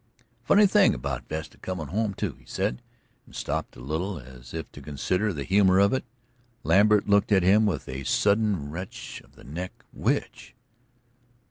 "Funny thing about Vesta comin' home, too," he said, and stopped a little, as if to consider the humor of it. Lambert looked at him with a sudden wrench of the neck. "Which?"